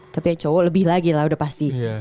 tapi ya cowok lebih lagi lah udah pasti